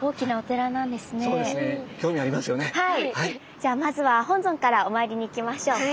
じゃあまずは本尊からお参りに行きましょう。